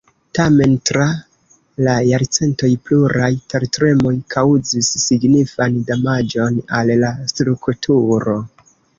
Tamen tra la jarcentoj pluraj tertremoj kaŭzis signifan damaĝon al la strukturo.